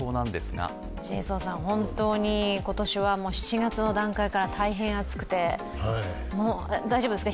本当に今年は７月の段階から大変暑くて、大丈夫ですか？